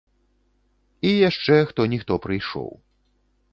І яшчэ хто-ніхто прыйшоў.